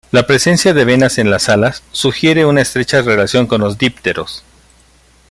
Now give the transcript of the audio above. La presencia de venas en las alas sugiere una estrecha relación con los dípteros.